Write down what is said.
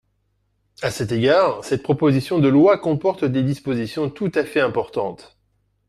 À cet égard, cette proposition de loi comporte des dispositions tout à fait importantes.